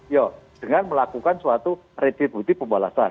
ya dengan melakukan suatu retributif pembalasan